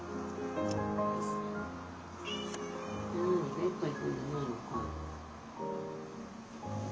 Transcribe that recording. ベッド行くんじゃないのかい。